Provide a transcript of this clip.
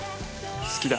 「好きだ」